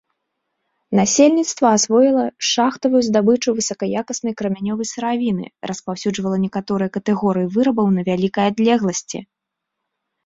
Насельніцтва асвоіла шахтавую здабычу высакаякаснай крамянёвай сыравіны, распаўсюджвала некаторыя катэгорыі вырабаў на вялікай адлегласці.